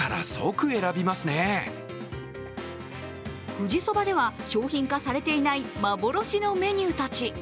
富士そばでは商品化されていない幻のメニューたち。